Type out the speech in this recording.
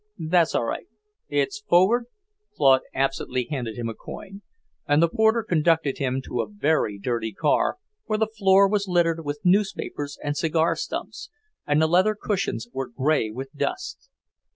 "That's all right. It's forward?" Claude absently handed him a coin, and the porter conducted him to a very dirty car where the floor was littered with newspapers and cigar stumps, and the leather cushions were grey with dust.